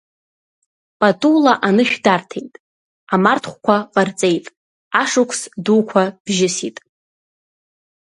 Патула анышә дарҭеит, амарҭхәқәа ҟарҵеит, ашықәс дуқәа бжьысит.